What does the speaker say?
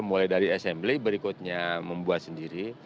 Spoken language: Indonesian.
mulai dari assembly berikutnya membuat sendiri